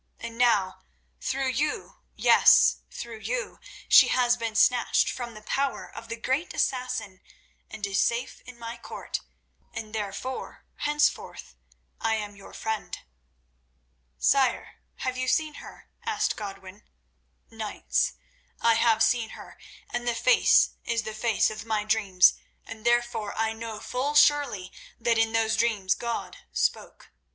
And now, through you—yes, through you—she has been snatched from the power of the great Assassin, and is safe in my court, and therefore henceforth I am your friend." "Sire, have you seen her?" asked Godwin. "Knights, I have seen her, and the face is the face of my dreams, and therefore I know full surely that in those dreams God spoke.